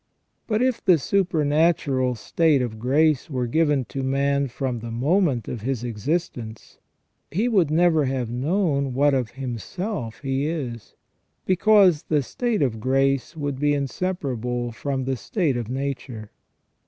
But if the supernatural state of grace were given to man from the moment of his existence, he would never have known what of himself he is, because the state of grace would be inseparable from the state of nature.